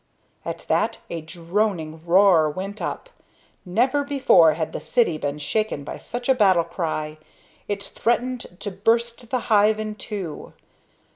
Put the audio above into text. At that a droning roar went up. Never before had the city been shaken by such a battle cry. It threatened to burst the hive in two.